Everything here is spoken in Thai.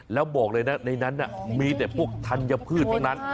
แล้วบอกเลยนะในนั้นมีแต่พวกธัญพืชทั้งนั้น